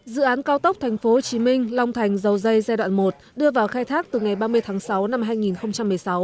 dự án cao tốc tp hcm long thành dầu dây giai đoạn một đưa vào khai thác từ ngày ba mươi tháng sáu năm